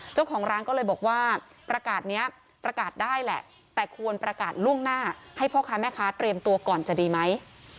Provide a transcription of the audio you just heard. เจ้าของร้านก็เลยบอกว่าประกาศนี้ประกาศได้แหละแต่ควรประกาศล่วงหน้าให้พ่อค้าแม่ค้าเตรียมตัวก่อนจะดีไหม